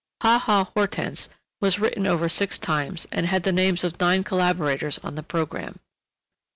"Ha Ha Hortense!" was written over six times and had the names of nine collaborators on the programme.